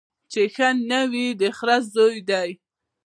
چي ښه نه وي د خره زوی دی